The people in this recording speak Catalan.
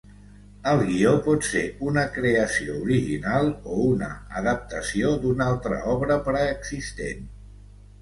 El guió pot ser una creació original o una adaptació d'una altra obra preexistent.